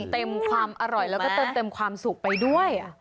เต็มความอร่อยแล้วก็เติมเต็มความสุขไปด้วย